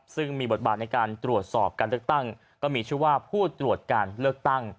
ซึ่งมีบทบาทในการตรวจสอบการเลือกตั้งก็มีชื่อว่าผู้ตรวจการเลือกตั้ง